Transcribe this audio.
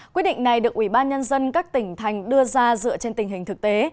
quyết định này được ủy ban nhân dân các tỉnh thành đưa ra dựa trên tình hình thực tế